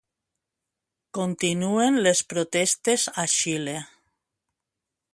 Continuen les protestes a Xile